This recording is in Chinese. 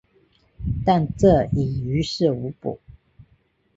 但这已于事无补。